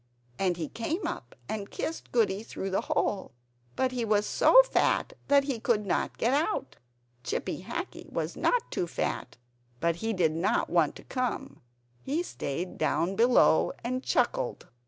He came up and kissed Goody through the hole; but he was so fat that he could not get out. Chippy Hackee was not too fat, but he did not want to come; he stayed down below and chuckled.